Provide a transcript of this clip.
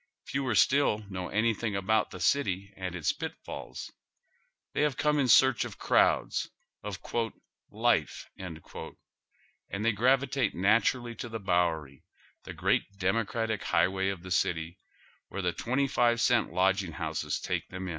Fewer still know anything about the city and its pitfalls. They have come in search of crowds, of " life," and they gravitate naturally to the Bowery, the great democratic highway of the city, where the twenty ffve cent lodging houses take them in.